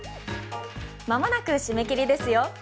まもなく締め切りですよ。